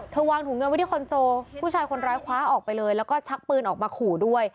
วางถุงเงินไว้ที่คอนโจผู้ชายคนร้ายคว้าออกไปเลยแล้วก็ชักปืนออกมาขู่ด้วย